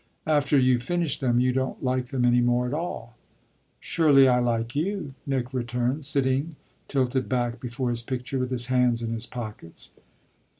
After you've finished them you don't like them any more at all." "Surely I like you," Nick returned, sitting tilted back before his picture with his hands in his pockets.